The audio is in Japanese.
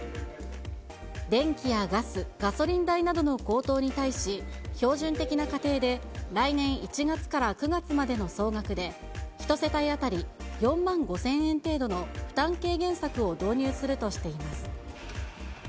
電気やガス、ガソリン代などの高騰に対し、標準的な家庭で、来年１月から９月までの総額で、１世帯当たり４万５０００円程度の負担軽減策を導入するとしています。